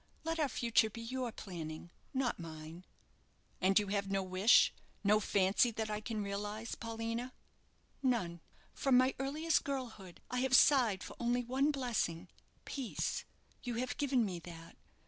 Let our future be your planning, not mine." "And you have no wish, no fancy, that I can realize, Paulina?" "None. Prom my earliest girlhood I have sighed for only one blessing peace! You have given me that.